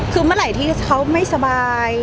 คือเมื่อไหร่ที่เขาไม่สบาย